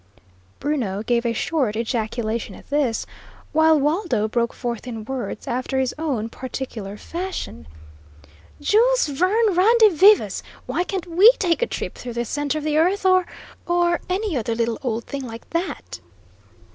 Bruno gave a short ejaculation at this, while Waldo broke forth in words, after his own particular fashion: "Jules Verne redivivus! Why can't WE take a trip through the centre of the earth, or or any other little old thing like that?"